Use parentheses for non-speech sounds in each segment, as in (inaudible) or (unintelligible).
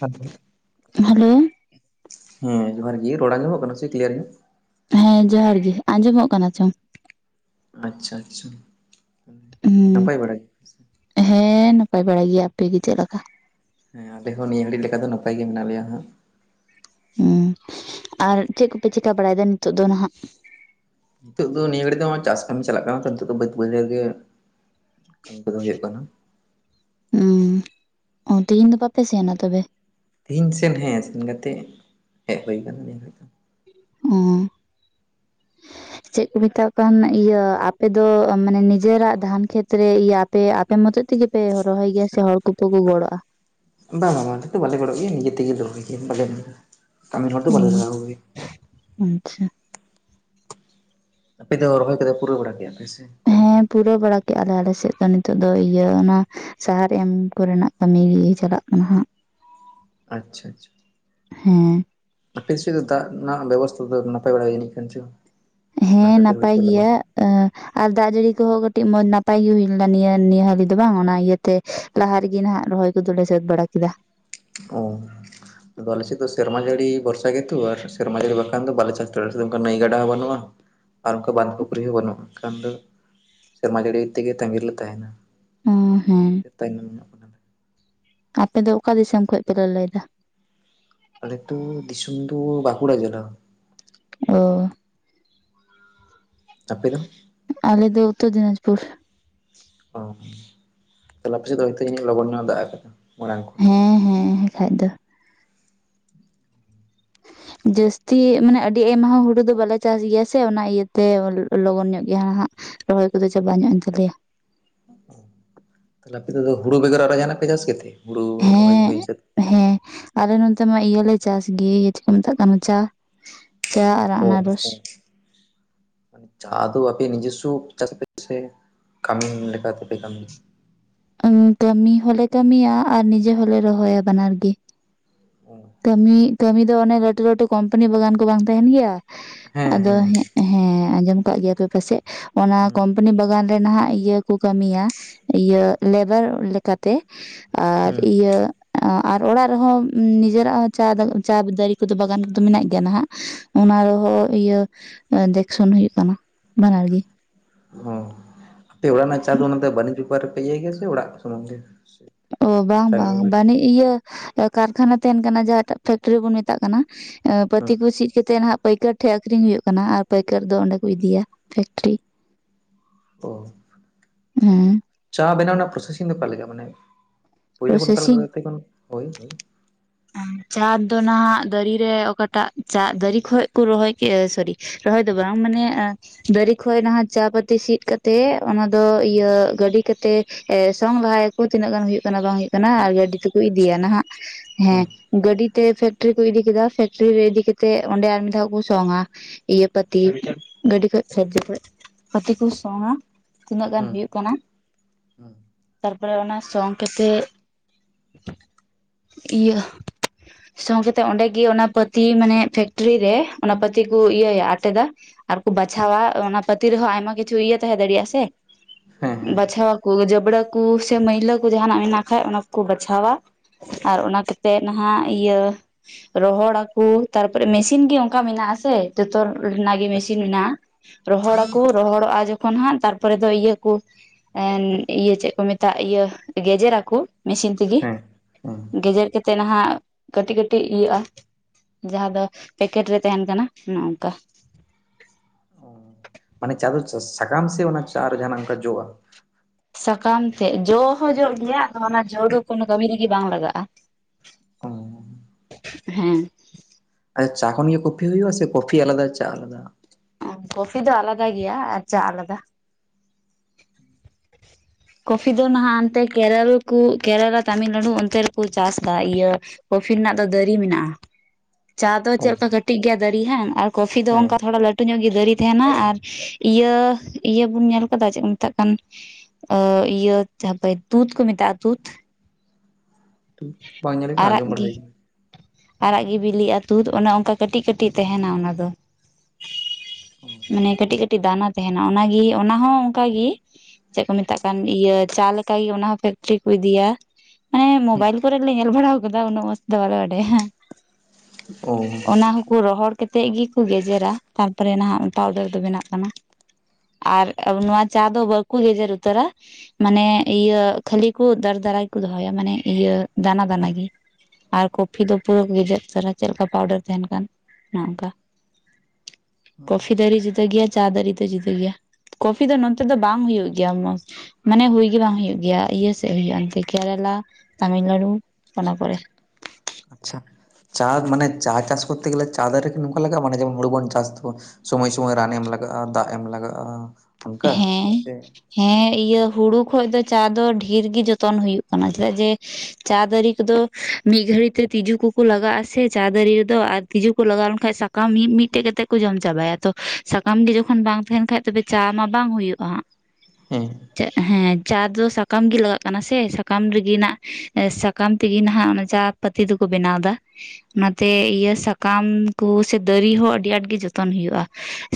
ᱦᱮ᱾ Hello ᱦᱮᱸ ᱡᱚᱦᱟᱨ ᱜᱮ ᱨᱚᱲ ᱟᱡᱟᱢᱚᱜ ᱠᱟᱱᱟ ᱥᱮ ᱠᱞᱤᱭᱟᱨ ᱧᱚᱜ᱾ ᱦᱮᱸ ᱡᱚᱦᱟᱨ ᱜᱤ ᱟᱸᱡᱚᱢᱚᱜ ᱠᱟᱱᱟ ᱪᱚᱝ? ᱟᱪᱪᱷᱟ ᱟᱪᱪᱷᱟ ᱦᱩᱸ ᱱᱟᱯᱟᱭ ᱵᱟᱲᱟ ᱜᱮ? ᱦᱮᱸ ᱱᱟᱯᱟᱭ ᱵᱟᱲᱟ ᱜᱮᱭᱟ ᱟᱯᱮᱜ ᱜᱮ ᱪᱮᱫ ᱞᱮᱠᱟ? ᱦᱮᱸ ᱟᱞᱮ ᱦᱚᱸ ᱱᱤᱭᱟᱹ ᱜᱷᱟᱹᱲᱤ ᱞᱮᱠᱟ ᱫᱚ ᱱᱟᱯᱟᱭ ᱜᱮ ᱢᱮᱱᱟᱜ ᱞᱮᱭᱟ ᱦᱟᱸᱜ᱾ ᱦᱩᱸ ᱟᱨ ᱪᱮᱫ ᱠᱚᱯᱮ ᱪᱤᱠᱟ ᱵᱟᱲᱟᱭᱮᱫᱟ ᱱᱤᱛᱚᱜ ᱫᱚ ᱱᱟᱦᱟᱸᱜ? ᱱᱤᱛᱚᱜ ᱫᱚ ᱱᱤᱭᱟᱹ ᱜᱷᱟᱹᱲᱤᱡ ᱫᱚ ᱪᱟᱥ ᱠᱟᱹᱢᱤ ᱪᱟᱞᱟᱜ ᱠᱟᱱᱟ ᱛᱚ ᱱᱤᱛᱚᱜ ᱫᱚ ᱵᱟᱹᱛ ᱵᱟᱹᱭᱦᱟᱲ ᱜᱮ ᱠᱟᱹᱢᱤ ᱠᱚᱫᱚ ᱦᱩᱭᱩᱜ ᱠᱟᱱᱟ᱾ ᱦᱩᱸ ᱚ ᱛᱮᱦᱮᱧ ᱫᱚ ᱵᱟᱯᱮ ᱥᱮᱱᱟ ᱛᱚᱵᱮ? ᱛᱤᱦᱤᱧ ᱥᱮᱱ ᱦᱮᱸ ᱥᱮᱱ ᱠᱟᱛᱮᱜ ᱦᱮᱡ ᱦᱩᱭ ᱠᱟᱱᱟ (inaudible) ᱫᱚ᱾ ᱚ᱾ (inaudible) ᱪᱮᱫ ᱠᱚ ᱢᱮᱛᱟᱜ ᱠᱟᱱ ᱤᱭᱟᱹ ᱟᱯᱮ ᱫᱚ ᱢᱟᱱᱮ ᱱᱤᱡᱮᱨᱟᱜ ᱫᱷᱟᱱ ᱠᱷᱮᱛᱨᱮ ᱤᱭᱟᱹ ᱟᱯᱮ ᱟᱯᱮ ᱢᱚᱛᱚᱡ ᱛᱮᱜᱮ ᱯᱮ ᱨᱚᱦᱚᱭ ᱜᱮᱭᱟ ᱥᱮ ᱦᱚᱲ ᱠᱚᱛᱮ ᱠᱚ ᱜᱚᱲᱚᱜᱼᱟ? ᱵᱟᱝᱟ ᱵᱟᱝ (unintelligible) ᱵᱟᱞᱮ ᱜᱚᱲᱚᱜ ᱜᱮᱭᱟ ᱱᱤᱡᱮ ᱛᱮᱜᱮ ᱞᱮ ᱨᱚᱦᱚᱭ ᱜᱮᱭᱟ ᱵᱟᱞᱮ (inaudible) ᱠᱟᱹᱢᱤ ᱦᱚᱲ ᱫᱚ ᱦᱩᱸ ᱵᱟᱞᱮ ᱞᱟᱜᱟᱣ ᱠᱚ ᱜᱮᱭᱟ᱾ ᱟᱪᱪᱷᱟ᱾ ᱟᱯᱮ ᱫᱚ ᱨᱚᱦᱚᱭ ᱠᱚᱫᱚ ᱯᱮ ᱯᱩᱨᱟᱹᱣ ᱵᱟᱲᱟ ᱠᱮᱫᱭᱟ ᱯᱮ ᱥᱮ? ᱚᱠᱟ ᱞᱮᱠᱟ ᱦᱮᱸ ᱯᱩᱨᱟᱹᱣ ᱵᱟᱲᱟ ᱠᱮᱜᱼᱟ ᱞᱮ ᱟᱞᱮᱥᱮᱫ ᱫᱚ ᱱᱤᱛᱚᱜ ᱫᱚ ᱤᱭᱟᱹ ᱚᱱᱟ ᱥᱟᱦᱟᱨ ᱮᱢ ᱠᱚᱨᱮᱱᱟᱜ ᱠᱟᱹᱢᱤ ᱪᱟᱞᱟᱜ ᱠᱟᱱᱟ ᱦᱟᱸᱜ᱾ ᱟᱪᱪᱷᱟ ᱟᱪᱪᱷᱟ᱾ ᱦᱮᱸ ᱾ ᱟᱯᱮ ᱥᱮᱫ ᱫᱚ ᱫᱟᱜ ᱨᱮᱱᱟᱜ ᱵᱮᱵᱚᱥᱛᱷᱟ ᱫᱚ ᱱᱟᱯᱟᱭ ᱵᱟᱲᱟ ᱜᱮᱭᱟ ᱡᱟᱹᱱᱤᱡ ᱠᱷᱟᱱ ᱪᱚᱝ? ᱦᱮᱸ ᱱᱟᱯᱟᱭ ᱜᱮᱭᱟ ᱟᱹ ᱟᱨ ᱫᱟᱜ ᱡᱟᱹᱲᱤ ᱠᱚᱦᱚᱸ ᱠᱟᱹᱴᱤᱡ ᱢᱚᱸᱡᱽ ᱱᱟᱯᱟᱭ ᱜᱮ ᱦᱩᱭ ᱞᱮᱱᱟ ᱱᱤᱭᱟᱹ ᱱᱤᱭᱟᱹ ᱦᱟᱹᱞᱤ ᱫᱚ ᱵᱟᱝ ᱚᱱᱟ ᱤᱭᱟᱹᱛᱮ ᱞᱟᱦᱟ ᱨᱮᱜᱮ ᱱᱟᱦᱟᱸᱜ ᱨᱚᱦᱚᱭ ᱠᱚᱫᱞᱮ ᱥᱟᱹᱛ ᱵᱟᱲᱟ ᱠᱮᱫᱟ᱾ ᱚ᱾ ᱟᱫᱚ ᱟᱞᱮ ᱥᱮᱫ ᱫᱚ ᱥᱮᱨᱢᱟ ᱡᱟᱹᱲᱤ ᱵᱷᱚᱨᱥᱟ ᱜᱮᱛᱚ ᱟᱨ ᱥᱮᱨᱢᱟ ᱡᱟᱹᱲᱤ ᱵᱟᱠᱷᱟᱱ ᱫᱚ ᱵᱟᱞᱮ ᱪᱟᱥ ᱫᱟᱲᱮᱭᱟᱜᱼᱟ, ᱚᱱᱠᱟ ᱱᱟᱹᱭ ᱜᱟᱰᱟ ᱦᱚᱸ ᱵᱟᱹᱱᱩᱜᱼᱟ᱾ ᱟᱨ ᱚᱱᱠᱟ ᱵᱟᱸᱫᱷ ᱯᱩᱠᱷᱨᱤ ᱦᱚᱸ ᱵᱟᱹᱱᱩᱜᱼᱟ ᱠᱷᱟᱱ ᱫᱚ ᱥᱮᱨᱢᱟ ᱡᱟᱹᱲᱤ ᱛᱮᱜᱮ ᱛᱟᱸᱜᱤ ᱨᱮᱞᱮ ᱛᱟᱦᱮᱸᱱᱟ᱾ ᱚ ᱚᱱᱟ ᱦᱮᱸ ᱛᱮ ᱛᱟᱭᱱᱚᱢ ᱧᱚᱜ ᱠᱟᱱᱟᱞᱮ ᱟᱯᱮ ᱫᱚ ᱚᱠᱟ ᱫᱤᱥᱚᱢ ᱠᱷᱚᱡᱽ ᱯᱮ ᱞᱟᱹᱭ ᱫᱟ? ᱟᱞᱮ ᱛᱚ ᱫᱤᱥᱚᱢ ᱫᱚ ᱵᱟᱸᱠᱩᱲᱟ ᱡᱮᱞᱟ᱾ ᱚ᱾ ᱟᱯᱮ ᱫᱚ? ᱟᱞᱮ ᱫᱚ ᱩᱛᱛᱚᱨᱫᱤᱱᱟᱡᱯᱩᱨ᱾ ᱚ ᱛᱟᱦᱚᱞᱮ ᱟᱯᱮ ᱥᱮᱫ ᱫᱚ ᱦᱚᱭᱛᱳ ᱞᱚᱜᱚᱱ ᱧᱚᱜ-ᱮ ᱫᱟᱜ ᱠᱟᱫᱟ? ᱦᱮᱸ ᱦᱮᱸ ᱦᱮᱸ ᱠᱷᱟᱡ ᱫᱚ᱾ (inaudible) ᱡᱟᱹᱥᱛᱤ ᱢᱟᱱᱮ ᱟᱹᱰᱤ ᱟᱭᱢᱟ ᱦᱩᱲᱩ ᱫᱚ ᱵᱟᱞᱮ ᱪᱟᱥ ᱜᱮᱭᱟ ᱥᱮ ᱚᱱᱟ ᱤᱭᱟᱹᱛᱮ ᱞᱚᱜᱚᱱ ᱧᱚᱜ ᱜᱮᱭᱟ ᱦᱟᱸᱜ ᱨᱚᱦᱚᱭ ᱠᱚᱫᱚ ᱪᱟᱵᱟ ᱧᱚᱜ ᱮᱱ ᱛᱟᱞᱮᱭᱟ᱾ ᱚ ᱛᱟᱦᱞᱮ ᱟᱯᱮ ᱥᱮᱫ ᱫᱚ ᱦᱩᱲᱩ ᱵᱮᱜᱚᱨ ᱟᱨᱦᱚ ᱡᱟᱦᱟᱸᱱᱟᱜ ᱯᱮ ᱪᱟᱥ ᱜᱮᱛᱮ ᱦᱩᱲᱩ ᱨᱚᱦᱚᱭ ᱦᱮᱸ ᱦᱩᱭ ᱥᱟᱹᱛ ᱦᱮᱸ ᱟᱞᱮ ᱱᱚᱛᱮ ᱢᱟ ᱤᱭᱟᱹᱞᱮ ᱪᱟᱥ ᱜᱮ ᱪᱮᱫ ᱠᱚ ᱢᱮᱛᱟᱜ ᱠᱟᱱᱟ ᱪᱟ ᱾ ᱚ-ᱚ᱾ ᱢᱟᱱᱮ ᱪᱟ ᱫᱚ ᱟᱯᱮ ᱱᱤᱡᱥᱥᱚ ᱪᱟ ᱛᱟᱯᱮ ᱥᱮ ᱠᱟᱹᱢᱤᱱ ᱞᱮᱠᱟ ᱛᱮᱯᱮ ᱠᱟᱹᱢᱤᱭᱟ? ᱩᱸ ᱠᱟᱹᱢᱤ ᱦᱚᱞᱮ ᱠᱟᱹᱢᱤᱭᱟ ᱟᱨ ᱱᱤᱡᱮ ᱦᱚᱞᱮ ᱨᱚᱦᱚᱭᱟ ᱵᱟᱱᱟᱨ ᱜᱮ᱾ ᱚ ᱠᱟᱹᱢᱤ ᱠᱟᱹᱢᱤ ᱫᱚ ᱚᱱᱮ ᱞᱟᱹᱴᱩ ᱞᱟᱹᱴᱩ ᱠᱳᱢᱯᱟᱱᱤ ᱵᱟᱜᱟᱱ ᱠᱚ ᱵᱟᱝ ᱛᱟᱦᱮᱸᱱ ᱜᱮᱭᱟ? ᱟᱫᱚ ᱦᱮᱸ ᱟᱸᱡᱚᱢ ᱠᱟᱜ ᱜᱮᱭᱟᱯᱮ ᱯᱟᱥᱮᱡ ᱚᱱᱟ ᱦᱩᱸ ᱠᱚᱢ ᱯᱟᱱᱤ ᱵᱟᱜᱟᱱ ᱨᱮ ᱱᱟᱦᱟᱸᱜ ᱤᱭᱟᱹ ᱠᱚ ᱠᱟᱹᱢᱤᱭᱟ ᱤᱭᱟᱹ ᱞᱮᱵᱟᱨ ᱞᱮᱠᱟᱛᱮ᱾ ᱟᱨ ᱦᱩᱸ ᱤᱭᱟᱹ ᱟᱨ ᱚᱲᱟᱜ ᱨᱮᱦᱚᱸ ᱱᱤᱡᱮᱨᱟᱜ ᱦᱚᱸ ᱪᱟ, ᱪᱟ ᱫᱟᱨᱮ ᱠᱚᱫᱚ ᱵᱟᱜᱟᱱ ᱢᱮᱱᱟᱜ ᱜᱮᱭᱟ ᱱᱟᱦᱟᱸᱜ᱾ ᱚᱱᱟ ᱨᱮᱦᱚᱸ ᱤᱭᱟᱹ ᱫᱮᱠᱷᱥᱚᱱ ᱦᱩᱭᱩᱜ ᱠᱟᱱᱟ ᱵᱟᱱᱟᱨ ᱜᱮ᱾ ᱚ ᱟᱯᱮ ᱚᱲᱟᱜ ᱨᱮᱱᱟᱜ ᱪᱟ ᱫᱚ ᱚᱱᱟ ᱫᱚ ᱵᱟᱹᱱᱤᱡᱽ ᱵᱮᱯᱟᱨ ᱨᱮᱯᱮ ᱤᱭᱟᱹᱭ ᱜᱮᱭᱟ ᱥᱮ ᱚᱲᱟᱜ ᱥᱩᱢᱩᱝ ᱜᱮ? ᱚ ᱵᱟᱝ ᱪᱟ ᱜᱮ ᱵᱟᱝ ᱵᱮᱱᱟᱣ ᱵᱟᱱᱤᱡᱽ ᱤᱭᱟᱹ ᱠᱟᱨᱠᱷᱟᱱᱟ ᱛᱟᱦᱮᱱ ᱠᱟᱱᱟ ᱡᱟᱦᱟᱸᱴᱟᱜ ᱯᱷᱮᱠᱴᱨᱤ ᱵᱚᱱ ᱢᱮᱛᱟᱜ ᱠᱟᱱᱟ ᱾ ᱯᱟᱹᱛᱤ ᱦᱩᱸ ᱠᱚ ᱥᱤᱫ ᱠᱟᱛᱮ ᱱᱟᱜ ᱼᱼ ᱯᱟᱹᱭᱠᱟᱹᱨ ᱴᱷᱮᱡ ᱟᱠᱷᱨᱤᱧ ᱦᱩᱭᱩᱜ ᱠᱟᱱᱟ ᱟᱨ ᱯᱟᱹᱭᱠᱟᱹᱨ ᱫᱚ ᱚᱸᱰᱮ ᱠᱚ ᱤᱫᱤᱭᱟ ᱯᱷᱮᱠᱴᱨᱤ ᱾ ᱚ ᱦᱩᱸ ᱾ ᱪᱟ ᱵᱮᱱᱟᱣ ᱨᱮᱱᱟᱜ ᱯᱨᱚᱥᱮᱥᱤᱝ ᱫᱚ ᱚᱠᱟ ᱢᱟᱱᱮ ᱯᱳᱭᱞᱳ ᱚᱠᱟ ᱞᱮᱠᱟ ᱯᱨᱚᱥᱮᱥᱤᱝ ᱠᱟᱛᱮ ᱠᱷᱚᱱ ᱦᱳᱭ ᱾ ᱪᱟ ᱫᱚ ᱱᱟᱜ ᱫᱟᱹᱨᱤ ᱨᱮ ᱚᱠᱟ ᱴᱟᱜ ᱪᱟ ᱫᱟᱹᱨᱤ ᱠᱷᱚᱡ ᱨᱚᱦᱚᱭ ᱠᱮᱫᱟ ᱥᱟᱨᱤ᱾ ᱨᱚᱦᱚᱭ ᱫᱚ ᱵᱟᱝ ᱢᱟᱱᱮ ᱫᱟᱨᱤ ᱠᱷᱚᱡ ᱱᱟᱦᱟᱜ ᱪᱟ ᱯᱟᱹᱛᱤ ᱥᱤᱫ ᱠᱟᱛᱮᱜ ᱚᱱᱟ ᱫᱚ ᱤᱭᱟᱹ ᱜᱟᱹᱰᱤ ᱠᱟᱛᱮᱜ ᱮ ᱥᱚᱝ ᱞᱟᱦᱟᱭ ᱟᱠᱚ ᱛᱤᱱᱟᱹᱜ ᱜᱟᱱ ᱦᱩᱭᱩᱜ ᱠᱟᱱᱟ ᱵᱟᱝ ᱦᱩᱭᱩᱜ ᱠᱟᱱᱟ ᱦᱩᱸ ᱟᱨ ᱜᱟᱹᱰᱤ ᱛᱮᱠᱚ ᱟᱪᱪᱷᱟ ᱤᱫᱤᱭᱟ ᱱᱟᱦᱟᱸᱜ ᱦᱩᱸ ᱦᱮᱸ ᱜᱟᱹᱰᱤ ᱜᱟᱸᱰᱤᱛᱮ ᱯᱷᱮᱠᱴᱨᱤ ᱨᱮᱠᱚ ᱤᱫᱤ ᱠᱮᱫᱟ ᱯᱷᱮᱠᱴᱨᱤ ᱨᱮ ᱤᱫᱤ ᱠᱟᱛᱮᱫ ᱚᱸᱰᱮ ᱟᱨ ᱢᱤᱫ ᱫᱷᱟᱣ ᱠᱚ ᱥᱚᱝᱼᱟ ᱾ ᱤᱭᱟᱹ ᱯᱟᱹᱛᱤ ᱜᱟᱹᱰᱤ ᱠᱷᱚᱡ (inaudible) ᱠᱷᱚᱡ ᱯᱟᱹᱛᱤ ᱠᱚ ᱥᱚᱝᱟ ᱾ ᱛᱤᱱᱟᱹᱜ ᱜᱟᱱ ᱦᱩᱸ ᱦᱩᱭᱩᱜ ᱠᱟᱱᱟ? ᱦᱩᱸ ᱛᱟᱨᱯᱚᱨᱮ ᱚᱱᱟ ᱥᱚᱝ ᱠᱟᱛᱮᱜ ᱤᱭᱟᱹ ᱥᱚᱝ ᱠᱟᱛᱮᱜ ᱚᱸᱰᱮ ᱜᱤ ᱚᱱᱟ ᱯᱟᱹᱛᱤ ᱢᱟᱱᱮ ᱯᱷᱮᱠᱴᱨᱤ ᱨᱮ ᱚᱱᱟ ᱯᱟᱹᱛᱤ ᱠᱩ ᱤᱭᱟᱹᱭᱟ ᱟᱴᱮᱫᱟ ᱾ ᱟᱨ ᱠᱚ ᱵᱟᱪᱷᱟᱣᱟ ᱚᱱᱟ ᱯᱟᱹᱛᱤ ᱨᱮᱦᱚᱸ ᱟᱭᱢᱟ ᱠᱤᱪᱷᱩ ᱤᱭᱟᱹ ᱛᱟᱦᱮᱸ ᱫᱟᱲᱮᱭᱟᱜᱼᱟ ᱥᱮ ᱦᱮᱸ ᱾ ᱦᱮᱸ ᱵᱟᱪᱷᱟᱣ ᱟᱠᱚ ᱡᱟᱹᱵᱽᱨᱟᱹ ᱠᱚ ᱥᱮ ᱢᱟᱹᱭᱞᱟᱹ ᱠᱚ ᱡᱟᱦᱟᱱᱟᱜ ᱢᱮᱱᱟᱜ ᱠᱷᱟᱡ ᱚᱱᱟ ᱠᱚᱠᱚ ᱵᱟᱪᱷᱟᱣᱟ᱾ ᱟᱨ ᱚᱱᱟ ᱠᱟᱛᱮᱫ ᱱᱟᱦᱟᱸᱜ ᱤᱭᱟᱹ ᱨᱚᱦᱚᱲ ᱟᱠᱠᱩ ᱛᱟᱨᱯᱚᱨᱮ ᱢᱮᱥᱤᱱ ᱜᱤ ᱚᱱᱠᱟ ᱢᱮᱱᱟᱜ ᱟᱥᱮ᱾ ᱡᱚᱛᱚ ᱨᱮᱱᱟᱜ ᱜᱮ ᱢᱮᱥᱤᱱ ᱟᱪᱪᱷᱟ ᱢᱮᱱᱟᱜᱼᱟ ᱨᱚᱦᱚᱲ ᱟᱠᱩ ᱨᱚᱦᱚᱲᱚᱜᱼᱟ ᱡᱚᱠᱷᱚᱱ ᱦᱟᱸᱜ ᱛᱟᱨᱯᱚᱨᱮ ᱫᱚ ᱤᱭᱟᱹ ᱠᱩ ᱮ ᱤᱭᱟᱹ ᱪᱮᱫ ᱠᱚ ᱢᱮᱛᱟᱜᱼᱟ ᱤᱭᱟᱹ ᱜᱮᱡᱮᱨᱟᱠᱩ ᱢᱮᱥᱤᱱ ᱛᱮᱜᱮ ᱾ (inaudible) ᱜᱮᱡᱮᱨ ᱠᱟᱛᱮᱜ ᱱᱟᱦᱟᱸᱜ ᱠᱟᱹᱴᱤᱡ ᱠᱟᱹᱴᱤᱡ ᱤᱭᱟᱹᱜᱼᱟ ᱡᱟᱦᱟᱸ ᱫᱚ ᱯᱮᱠᱮᱴ ᱨᱮ ᱛᱟᱦᱮᱱ ᱠᱟᱱᱟ ᱚᱱᱮ ᱚᱝᱠᱟ ᱾ ᱚ ᱢᱟᱱᱮ ᱪᱟᱫᱚ ᱪᱟᱥ ᱥᱟᱠᱟᱢ ᱥᱮ ᱚᱱᱟ ᱪᱟ ᱟᱨ ᱡᱟᱦᱱᱟᱜ ᱚᱱᱠᱟ ᱡᱚᱜᱼᱟ ᱾ ᱥᱟᱠᱟᱢᱛᱮᱜ ᱡᱚ ᱦᱚᱸ ᱡᱚᱜ ᱜᱮᱭᱟ ᱟᱫᱚ ᱚᱱᱟ ᱡᱚ ᱫᱚ ᱠᱳᱱᱳ ᱠᱟᱹᱢᱤ ᱨᱮᱜᱮ ᱵᱟᱝ ᱞᱟᱜᱟᱜᱼᱟ ᱾ (unintelligible) ᱦᱮᱸ ᱾ ᱟᱪᱪᱪᱟ ᱪᱟ ᱠᱷᱚᱱ ᱜᱮ ᱠᱚᱯᱷᱤ ᱦᱩᱭᱩᱜᱼᱟ ᱥᱮ ᱠᱚᱯᱷᱤ ᱟᱞᱟᱫᱟ ᱪᱟ ᱟᱞᱟᱫᱟ? ᱠᱚᱯᱷᱤ ᱫᱚ ᱟᱞᱟᱫᱟ ᱜᱮᱭᱟ ᱟᱨ ᱪᱟ ᱟᱞᱟᱫᱟ ᱾ (unintelligible) ᱠᱚᱯᱷᱤ ᱫᱚ ᱱᱟᱦᱟᱸᱜ ᱚᱱᱛᱮ ᱠᱮᱨᱚᱞ ᱠᱚ ᱠᱮᱨᱚᱞᱟ ᱛᱟᱢᱤᱞᱱᱟᱲᱩ ᱚᱱᱛᱮ ᱨᱮᱠᱚ ᱪᱟᱥᱫᱟ ᱤᱭᱟᱹ ᱠᱚᱯᱷᱤ ᱨᱮᱱᱟᱜ ᱫᱚ ᱫᱟᱨᱮ ᱢᱮᱱᱟᱜᱼᱟ ᱪᱟ ᱫᱚ ᱚ ᱪᱮᱫᱠᱟ ᱠᱟᱹᱴᱤᱡ ᱜᱮᱭᱟ ᱾ ᱫᱟᱨᱤ ᱦᱟᱝ ᱟᱨ ᱠᱚᱤᱷᱤ ᱫᱚ ᱦᱮᱸ ᱚᱱᱠᱟ ᱛᱷᱲᱟ ᱞᱟᱹᱴᱩ ᱧᱚᱜ ᱜᱮ ᱫᱟᱨᱤ ᱛᱟᱦᱮᱱᱟ ᱟᱨ ᱤᱭᱟᱹ ᱤᱭᱟᱹ ᱵᱚᱱ ᱧᱮᱞ ᱠᱟᱫᱟ ᱪᱮᱫ ᱠᱚ ᱢᱮᱛᱟᱜ ᱠᱟᱱ ᱟ ᱤᱭᱟᱹ ᱦᱟᱸᱯᱟᱭ ᱛᱩᱫ ᱠᱚ ᱢᱮᱛᱟᱼᱟ ᱛᱩᱫ ᱴᱷᱤᱠ ᱵᱟᱝ ᱧᱮᱞ ᱦᱩᱭ ᱠᱟᱱᱟ ᱟᱨᱟᱜ ᱟᱸᱡᱚᱢ ᱵᱟᱲᱟ ᱜᱮ ᱦᱩᱭ ᱠᱟᱱᱟ ᱟᱨᱟᱜ ᱜᱮ ᱵᱤᱞᱤᱜᱼᱟ ᱛᱩᱫ ᱚᱱᱮ ᱚᱱᱠᱟ ᱠᱟᱹᱴᱤᱡ ᱠᱟᱹᱴᱤᱡ ᱛᱟᱦᱮᱱᱟ ᱚᱱᱟ ᱫᱚ ᱾ ᱢᱟᱱᱮ ᱠᱟᱹᱴᱤᱡ ᱠᱟᱹᱴᱤᱡ ᱫᱟᱱᱟ ᱛᱟᱦᱮᱱᱟ ᱚᱱᱟᱜᱮ ᱚᱱᱟ ᱦᱚᱸ ᱚᱱᱠᱟᱜᱮ ᱪᱮᱫ ᱠᱚ ᱢᱮᱛᱟᱜ ᱠᱟᱱ ᱤᱭᱟᱹ ᱪᱟ ᱞᱮᱠᱟᱜᱮ ᱚᱱᱟ ᱦᱚᱸ ᱯᱷᱮᱠᱴᱨᱤ ᱠᱚ ᱤᱫᱤᱭᱟ᱾ ᱢᱟᱱᱮ ᱢᱳᱵᱟᱭᱤᱞ ᱠᱚᱨᱮᱞᱮ ᱧᱮᱞ ᱵᱟᱲᱟᱣ ᱠᱟᱫᱟ ᱩᱱᱟᱹᱜ ᱢᱚᱸᱡᱽᱛᱮ ᱫᱚ ᱵᱟᱞᱮ ᱵᱟᱰᱟᱭᱟ ᱚ ᱦᱩᱸ ᱚᱱᱟ ᱦᱚᱸᱠᱚ ᱨᱚᱦᱚᱲ ᱠᱮᱛᱮᱫ ᱜᱮᱠᱚ ᱜᱮᱡᱮᱨᱟ ᱛᱟᱨᱯᱚᱨᱮ ᱱᱟᱦᱟᱜ ᱯᱟᱣᱰᱟᱨ ᱫᱚ ᱵᱮᱱᱟᱜ ᱠᱟᱱᱟ ᱾ ᱟᱨ ᱱᱚᱣᱟ ᱪᱟ ᱫᱚ ᱵᱟᱹᱠᱩ ᱜᱮᱡᱮᱨ ᱩᱛᱟᱹᱨᱟ ᱢᱟᱱᱮ ᱤᱭᱟᱹ ᱠᱷᱟᱹᱞᱤ ᱠᱩ ᱫᱟᱨ ᱫᱟᱨᱟᱭᱠᱚ ᱫᱚᱦᱚᱭᱟ ᱢᱟᱱᱮ ᱤᱭᱟᱹ ᱫᱟᱱᱟ ᱫᱟᱱᱟ ᱜᱤ ᱟᱨ ᱠᱚᱯᱷᱤ ᱫᱚ ᱯᱩᱨᱟᱹ ᱠᱚ ᱜᱮᱡᱮᱨ ᱩᱛᱟᱹᱨᱟ ᱪᱮᱫ ᱞᱮᱠᱟ ᱯᱟᱣᱰᱟᱨ ᱛᱟᱦᱮᱱ ᱠᱟᱱ, ᱚᱱᱮ ᱚᱱᱠᱟ ᱚ ᱠᱚᱯᱷᱤ ᱫᱟᱨᱤ ᱡᱩᱫᱟᱹ ᱜᱮᱭᱟ, ᱪᱟ ᱫᱟᱨᱤ ᱫᱚ ᱡᱩᱫᱟᱹ ᱜᱮᱭᱟ, ᱠᱚᱯᱷᱤ ᱫᱚ ᱱᱚᱛᱮ ᱫᱚ ᱵᱟᱝ ᱦᱩᱭᱩᱜᱼᱟ ᱾ ᱜᱮᱭᱟᱢ (unintelligible) ᱢᱟᱱᱮ ᱦᱩᱭ ᱜᱤ ᱵᱟᱝ ᱦᱩᱭᱩᱜ ᱜᱮᱭᱟ ᱤᱭᱟᱹ ᱥᱮᱫ ᱦᱩᱭᱩᱜ-ᱟ ᱚᱱᱛᱮ ᱠᱮᱨᱟᱞᱟ ᱛᱟᱢᱤᱞᱱᱟᱲᱩ ᱚᱱᱟ ᱠᱚᱨᱮ ᱟᱪᱪᱷᱟ, ᱪᱟ ᱢᱟᱱᱮ ᱪᱟ ᱪᱟᱥ ᱠᱚᱨᱛᱮ ᱜᱮᱞᱮ ᱪᱟ ᱫᱟᱨᱤ ᱱᱚᱝᱠᱟ ᱞᱮᱠᱟᱜᱮ ᱡᱮᱢᱚᱱ ᱦᱩᱲᱩ ᱵᱚᱱ ᱪᱟᱥ ᱛᱟᱵᱚ ᱥᱚᱢᱚᱭ ᱥᱚᱢᱚᱭ ᱨᱟᱱ ᱮᱢ ᱞᱟᱜᱟᱜᱼᱟ ᱫᱟᱜ ᱮᱢ ᱞᱟᱜᱟᱜᱼᱟ ᱚᱱᱠᱟ ᱦᱮᱸ ᱥᱮ ᱦᱮᱸ ᱤᱭᱟᱹ ᱦᱩᱲᱩ ᱠᱷᱚᱡ ᱫᱚ ᱪᱟ ᱫᱚ ᱰᱷᱤᱨ ᱜᱤ ᱡᱚᱛᱚᱱ ᱦᱩᱭᱩᱜ ᱠᱟᱱᱟ, ᱪᱮᱫᱟᱜ ᱡᱮ ᱪᱟ ᱫᱟᱨᱤ ᱠᱚᱫᱚ ᱢᱤᱫ ᱜᱷᱟᱹᱲᱤᱡ ᱛᱮ ᱛᱤᱡᱩ ᱠᱚᱠᱚ ᱞᱟᱜᱟᱜᱼᱟ ᱥᱮ ᱪᱟ ᱫᱟᱨᱤ ᱨᱮᱫᱚ ᱟᱨ ᱛᱤᱡᱩ ᱠᱚ ᱞᱟᱜᱟᱣ ᱞᱮᱱᱠᱷᱟᱱ ᱥᱟᱠᱟᱢ ᱢᱤᱫ ᱢᱤᱫᱠᱟᱴᱮᱡ ᱠᱩ ᱡᱚᱢ ᱪᱟᱵᱟᱭᱟ ᱛᱚ ᱥᱟᱠᱟᱢ ᱜᱤ ᱡᱚᱠᱷᱚᱱ ᱵᱟᱝ ᱛᱟᱦᱮᱱ ᱠᱷᱟᱡ ᱛᱚᱵᱮ ᱪᱟ ᱢᱟ ᱵᱟᱝ ᱦᱩᱭᱩᱜᱼᱟ ᱦᱟᱸᱜ ᱦᱮᱸ ᱪᱮᱫ ᱦᱮᱸ ᱪᱟ ᱫᱚ ᱥᱟᱠᱟᱢ ᱜᱮ ᱞᱟᱜᱟᱜ ᱠᱟᱱᱟ ᱥᱮ ᱥᱟᱠᱟᱢ ᱨᱮᱜᱮ ᱱᱟᱜ ᱥᱟᱠᱟᱢ ᱛᱮᱜᱮ ᱱᱟᱦᱟᱜ ᱚᱱᱟ ᱪᱟ ᱯᱟᱹᱛᱤ ᱫᱚᱠᱚ ᱵᱮᱱᱟᱣ ᱫᱟ ᱚᱱᱟᱛᱮ ᱤᱭᱟᱹ ᱥᱟᱠᱟᱢ ᱠᱚ ᱥᱮ ᱫᱟᱹᱨᱤ ᱦᱚᱸ ᱟᱹᱰᱤ ᱟᱸᱴ ᱜᱮ ᱡᱚᱛᱚᱱ ᱦᱩᱭᱩᱜᱼᱟ,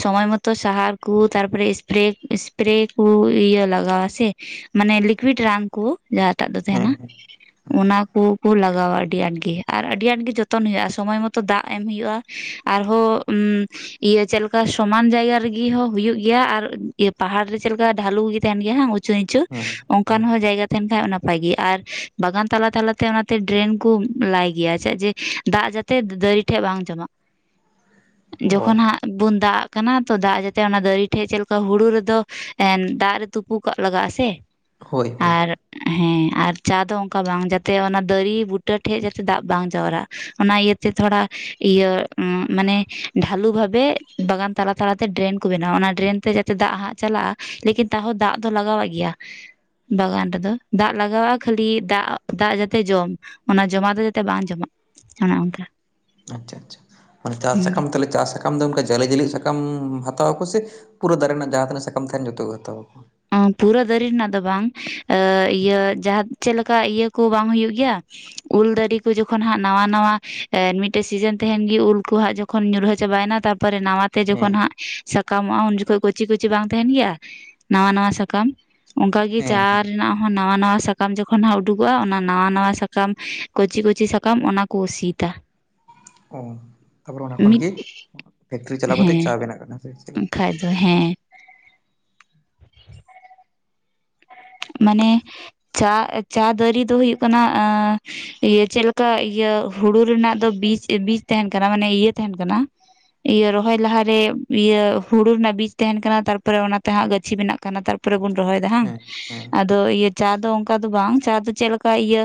ᱥᱚᱢᱚᱭ ᱢᱚ ᱛᱚ ᱥᱟᱦᱟᱨ ᱠᱩ ᱛᱟᱨᱯᱚᱨᱮ ᱥᱯᱨᱮ ᱥᱯᱨᱮ ᱠᱩ ᱤᱭᱟᱹ ᱞᱟᱜᱟᱣᱟ ᱥᱮ ᱢᱟᱱᱮ ᱞᱤᱠᱩᱤᱰ ᱨᱟᱱ ᱠᱩ ᱡᱟᱦᱟᱸᱴᱟᱜ ᱫᱚ ᱦᱮᱸ ᱛᱟᱦᱮᱱᱟ, ᱚᱱᱟ ᱠᱩ ᱠᱩ ᱞᱟᱜᱟᱣᱼᱟ ᱟᱹᱰᱤ ᱟᱴᱜᱤ ᱟᱨ ᱟᱹᱰᱤ ᱟᱴᱜᱤ ᱡᱚᱛᱚᱱ ᱦᱩᱭᱩᱜᱼᱟ, ᱥᱚᱢᱚᱭ ᱢᱚᱛᱚ ᱫᱟᱜ ᱮᱢ ᱦᱩᱭᱩᱜᱼᱟ ᱟᱨᱦᱚᱸᱻ ᱤᱭᱟᱹ ᱪᱮᱫ ᱞᱮᱠᱟ ᱥᱚᱢᱟᱱ ᱡᱟᱭᱜᱟ ᱨᱮᱜᱤ ᱦᱚᱸ ᱦᱩᱭᱩᱜ ᱜᱤᱭᱟ ᱟᱨ ᱯᱟᱦᱟᱲ ᱨᱮ ᱪᱮᱫ ᱞᱮᱠᱟ ᱰᱷᱟᱞᱩ ᱜᱤ ᱛᱟᱦᱮᱱ ᱜᱮᱭᱟ ᱦᱟᱝ ᱩᱪᱩ ᱱᱤᱪᱩ ᱦᱮᱸ ᱦᱮᱸ ᱚᱱᱠᱟᱱ ᱦᱚᱸ ᱡᱟᱭᱜᱟ ᱛᱟᱦᱮᱱ ᱠᱷᱟᱱ ᱱᱟᱯᱟᱭ ᱜᱮ ᱟᱨ ᱵᱟᱜᱟᱱ ᱛᱟᱞᱟ ᱛᱟᱞᱟ ᱛᱮ ᱚᱱᱟᱛᱮ ᱰᱨᱮᱱ ᱠᱚ ᱞᱟᱭ ᱜᱤᱭᱟ ᱪᱮᱫ ᱡᱮ ᱫᱟᱜ ᱡᱟ ᱛᱮ ᱫᱟᱹᱨᱤ ᱴᱷᱮᱡ ᱵᱟᱝ ᱡᱚᱢᱟᱜ, (inaudible) ᱚ ᱡᱚᱠᱷᱚᱱ ᱦᱟᱸᱜ ᱵᱩᱱ ᱫᱟᱜ ᱟᱜ ᱠᱟᱱᱟ ᱛᱚ ᱫᱟᱜ ᱡᱟᱛᱮ ᱚᱱᱟ ᱫᱟᱨᱤ ᱴᱷᱮᱡ ᱪᱮᱫ ᱞᱮᱠᱟ ᱦᱩᱲᱩ ᱨᱮᱫᱚ ᱮᱱ ᱫᱟᱜ ᱨᱮ ᱛᱩᱯᱩ ᱠᱟᱜ ᱞᱟᱜᱟᱜ-ᱟ ᱥᱮ ᱦᱳᱭ ᱦᱳᱭ ᱟᱨ ᱦᱮᱸ ᱟᱨ ᱪᱟ ᱫᱚ ᱚᱱᱠᱟ ᱵᱟᱝ ᱡᱟᱛᱮ ᱚᱱᱟ ᱫᱟᱹᱨᱤ ᱵᱩᱴᱟᱹ ᱴᱷᱮᱡ ᱡᱟᱛᱮ ᱫᱟᱜ ᱵᱟᱝ ᱡᱟᱣᱨᱟᱹᱜ ᱚᱱᱟ ᱤᱭᱟᱹᱛᱮ ᱛᱷᱚᱲᱟ ᱤᱭᱟᱹ ᱢᱟᱱᱮ ᱰᱷᱟᱞᱩ ᱵᱷᱟᱵᱮ ᱵᱟᱜᱟᱱ ᱛᱟᱞᱟ ᱛᱟᱞᱟ ᱛᱮ ᱰᱨᱮᱱ ᱠᱚ ᱵᱮᱱᱟᱣᱟ, ᱚᱱᱟ ᱰᱨᱮᱱ ᱛᱮ ᱡᱟᱛᱮ ᱫᱟᱜ ᱦᱟᱸᱜ ᱪᱟᱞᱟᱜᱼᱟ ᱞᱮᱠᱤᱱ ᱛᱟᱦᱚᱸ ᱫᱟᱜ ᱫᱚ ᱞᱟᱜᱟᱣᱟᱼᱜ ᱜᱮᱭᱟ ᱵᱟᱜᱟᱱ ᱨᱮᱫᱚ ᱫᱟᱜ ᱞᱟᱜᱟᱣᱟᱜᱼᱟ ᱠᱷᱟᱹᱞᱤ ᱫᱟᱜ ᱫᱟᱜ ᱡᱟᱛᱮ ᱡᱚᱢ ᱚᱱᱟ ᱡᱚᱢᱟ ᱫᱚ ᱡᱟᱛᱮ ᱵᱟᱝ ᱡᱚᱢᱟᱜ ᱚᱱᱮ ᱚᱱᱠᱟ ᱟᱪᱪᱷᱟ ᱟᱪᱪᱷᱟ ᱢᱟᱱᱮ ᱪᱟᱥ ᱦᱩᱸ ᱥᱟᱠᱟᱢ ᱛᱮᱞᱮ ᱪᱟᱥ ᱥᱟᱠᱟᱢ ᱫᱚ ᱚᱱᱠᱟ ᱡᱟᱞᱮ ᱡᱟᱹᱞᱤ ᱥᱟᱠᱟᱢ ᱦᱟᱛᱟᱣ ᱟᱠᱚ ᱥᱮ ᱯᱩᱨᱟᱹ ᱫᱟᱨᱮ ᱨᱮᱱᱟᱜ ᱡᱟᱦᱟᱸ ᱛᱤᱱᱟᱹᱜ ᱥᱟᱠᱟᱢ ᱛᱟᱦᱮᱱ ᱡᱚᱛᱚ ᱠᱚ ᱦᱟᱛᱟᱣᱟ ᱯᱩᱨᱟᱹ ᱫᱟᱹᱨᱤ ᱨᱮᱱᱟᱜ ᱫᱚ ᱵᱟᱝ ᱤᱭᱟᱹ ᱡᱟᱦᱟᱸ ᱪᱮᱫ ᱞᱮᱠᱟ ᱤᱭᱟᱹ ᱠᱚ ᱵᱟᱝ ᱦᱩᱭᱩᱜ ᱜᱮᱭᱟ ᱩᱞ ᱫᱟᱨᱤ ᱠᱚ ᱡᱚᱠᱷᱚᱱ ᱦᱟᱸᱜ ᱱᱟᱣᱟ ᱱᱟᱣᱟ ᱢᱤᱫᱴᱮᱡ ᱥᱤᱡᱮᱱ ᱛᱟᱦᱮᱱ ᱜᱮ ᱩᱞᱠᱩ ᱦᱟᱸᱜ ᱡᱚ ᱠᱷᱚᱱ ᱧᱩᱨᱦᱟᱹ ᱪᱟᱵᱟᱭᱱᱟ ᱛᱟᱯᱚᱨᱮ ᱱᱟᱣᱟ ᱛᱮ ᱦᱮᱸ ᱡᱚᱠᱷᱚᱱ ᱦᱟᱸᱜ ᱥᱟᱠᱟᱢᱚᱜᱼᱟ ᱩᱱ ᱡᱚᱠᱷᱚᱱ ᱠᱩᱪᱤ ᱠᱩᱪᱤ ᱵᱟᱝ ᱛᱟᱦᱮᱱ ᱜᱮᱭᱟ ᱱᱟᱣᱟ ᱱᱟᱣᱟ ᱥᱟᱠᱟᱢ ᱚᱱᱠᱟ ᱜᱤ ᱦᱮᱸ ᱪᱟ ᱦᱮᱸ ᱨᱮᱱᱟᱜ ᱦᱚᱸ ᱱᱟᱶᱟ ᱱᱟᱶᱟ ᱥᱟ ᱠᱟᱢ ᱡᱚᱠᱷᱚᱱ ᱦᱟᱸᱜ ᱩᱰᱩᱠᱚᱜᱼᱟ ᱚᱱᱟ ᱱᱟᱣᱟᱹ ᱱᱟᱣᱟ ᱥᱟᱠᱟᱢ ᱠᱚᱪᱤ ᱠᱚᱪᱤ ᱥᱟᱠᱟᱢ ᱚᱱᱟ ᱠᱚ ᱥᱤᱛᱟ ᱚᱸ ᱛᱟᱯᱚᱨᱮ ᱚᱱᱟ ᱠᱷᱚᱱ ᱢᱤᱫ ᱜᱤ ᱯᱷᱮᱠᱴᱨᱤ ᱪᱟᱞᱟᱣ ᱠᱟᱛᱮ ᱦᱮᱸ ᱪᱟ ᱵᱮᱱᱟᱜ ᱠᱟᱱᱟ ᱥᱮ (unintelligible) ᱵᱟᱠᱷᱟᱡ ᱫᱚ ᱦᱮᱸ, ᱢᱟᱱᱮᱹ, ᱪᱟ ᱪᱟ ᱫᱟᱨᱮ ᱫᱚ ᱦᱩᱭᱩᱹᱜ ᱠᱟᱱᱟ ᱮᱸᱻ ᱤᱭᱟᱹ ᱪᱮᱫᱹᱞᱮᱠᱟ ᱤᱭᱟᱹ ᱦᱩᱲᱩ ᱨᱮᱱᱟᱜ ᱫᱚ ᱵᱤᱡ ᱵᱤᱡ ᱛᱟᱦᱮᱱ ᱠᱟᱱᱟ ᱢᱟᱱᱮᱹ ᱤᱭᱟᱹ ᱛᱟᱦᱮᱱ ᱠᱟᱱᱟ ᱤᱭᱟᱹ ᱨᱚᱦᱚᱭ ᱞᱟᱦᱟᱨᱮ ᱤᱭᱟᱹ ᱦᱩᱲᱩ ᱨᱮᱱᱟᱜ ᱵᱤᱡ ᱛᱟᱦᱮᱱ ᱠᱟᱱᱟ ᱛᱟᱨᱯᱚᱨᱮ ᱚᱱᱟᱛᱮ ᱦᱟᱸᱜ ᱜᱟᱹᱪᱷᱤ ᱵᱮᱱᱟᱹᱜ ᱠᱟᱱᱟᱹ ᱛᱟᱨᱯᱚᱨ ᱛᱯᱚᱨᱮ ᱵᱩᱱ ᱨᱚᱦᱚᱭ ᱫᱟ ᱵᱟᱝ, ᱦᱮᱸ ᱦᱮᱸ ᱟᱸᱫᱚ ᱤᱭᱟᱹ ᱪᱟ ᱫᱚ ᱚᱱᱠᱟ ᱫᱚ ᱵᱟᱝ ᱪᱟ ᱫᱚ ᱪᱮᱫ ᱞᱮᱠᱟ ᱤᱭᱟᱹ